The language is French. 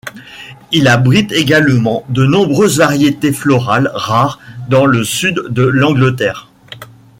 Il abrite également de nombreuses variétés florales rares dans le sud de l'Angleterre.